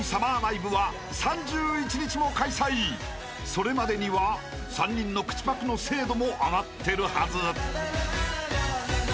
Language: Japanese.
［それまでには３人の口パクの精度も上がってるはず］